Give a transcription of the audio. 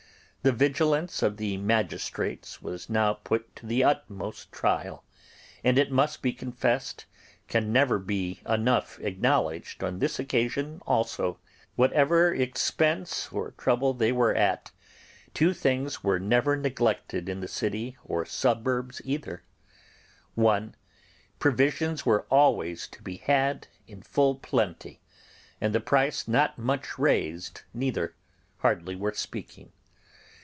The vigilance of the magistrates was now put to the utmost trial—and, it must be confessed, can never be enough acknowledged on this occasion also; whatever expense or trouble they were at, two things were never neglected in the city or suburbs either:— (1) Provisions were always to be had in full plenty, and the price not much raised neither, hardly worth speaking.